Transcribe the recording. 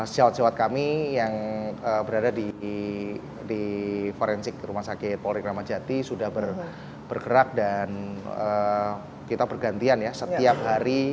sejawat sewat kami yang berada di forensik rumah sakit polri kramajati sudah bergerak dan kita bergantian ya setiap hari